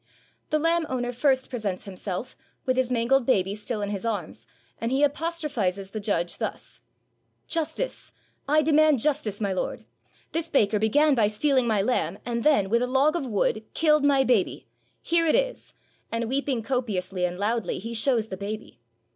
The lamb owner first presents himself, with his man gled baby still in his arms, and he apostrophizes the judge thus: "Justice — I demand justice, my lord. This baker began by stealing my lamb, and then, with a log of wood, killed my baby. Here it is "; and weeping 5SO THE LAMB BOLTED copiously and loudly, he shows the baby.